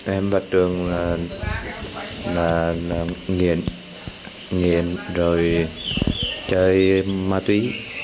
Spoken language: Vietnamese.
em bắt đường là nghiện rồi chơi ma túy